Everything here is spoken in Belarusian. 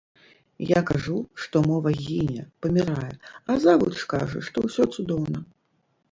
Я кажу, што мова гіне, памірае, а завуч кажа, што ўсё цудоўна.